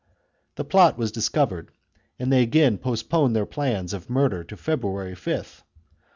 The plot was discovered, and they again postponed their plans of murder to Feb ruary 5th.